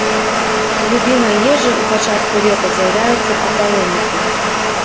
Любімай ежай у пачатку лета з'яўляюцца апалонікі.